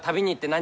何？